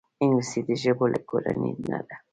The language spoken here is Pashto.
انګلیسي د ژبو له کورنۍ نه ده